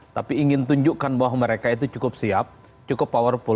tapi ingin tunjukkan bahwa mereka itu cukup siap cukup powerful